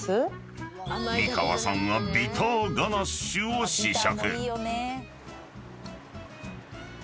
［美川さんはビターガナッシュを試食］